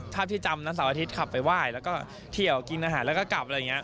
ทาบที่จำทั้งสามอาทิตย์ขับไปไหว้แล้วก็เที่ยวกินอาหารแล้วก็กลับ